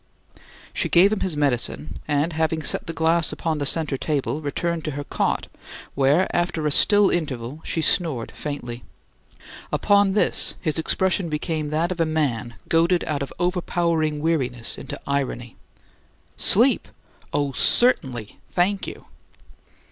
She gave him his medicine, and, having set the glass upon the center table, returned to her cot, where, after a still interval, she snored faintly. Upon this, his expression became that of a man goaded out of overpowering weariness into irony. "Sleep? Oh, CERTAINLY, thank you!"